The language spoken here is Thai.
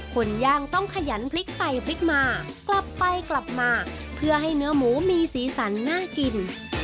คนย่างต้องขยันพลิกไปพลิกมากลับไปกลับมาเพื่อให้เนื้อหมูมีสีสันน่ากิน